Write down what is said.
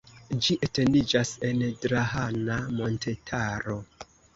Ĝi etendiĝas en Drahana montetaro.